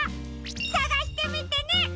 さがしてみてね！